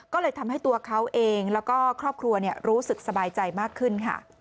ก็เลยทำให้ตัวเขาเองแล้วก็ครอบครัวรู้สึกสบายใจมากขึ้นค่ะ